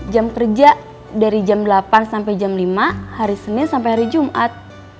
jam kerja dari jam delapan sampai jam lima hari senin sampai hari jumat